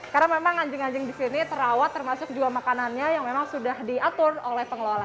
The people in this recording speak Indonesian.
karena memang anjing anjing disini terawat termasuk juga makanannya yang memang sudah diatur oleh pengelola